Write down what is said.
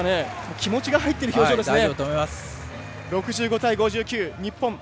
気持ちが入っている表情ですね。